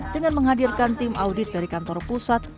dengan menghadirkan tim audit dari kantor pusat